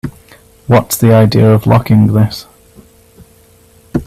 What's the idea of locking this?